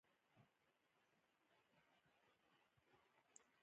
خو د سیاسي بدلون لپاره لاره هوارول ناشونی کار نه دی.